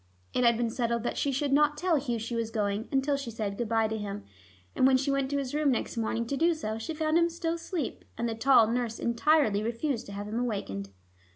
It had been settled that she should not tell Hugh she was going, until she said good by to him, and when she went to his room next morning to do so, she found him still asleep, and the tall nurse entirely refused to have him awakened.